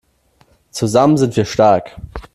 Zusammen sind wir stark!